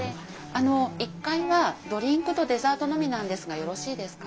あの１階はドリンクとデザートのみなんですがよろしいですか？